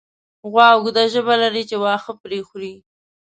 غوا اوږده ژبه لري چې واښه پرې خوري.